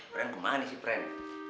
pren ke mana sih pren